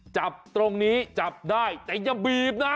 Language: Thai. จับตรงนี้จับได้แต่อย่าบีบนะ